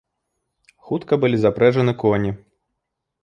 Хутка былі запрэжаны коні.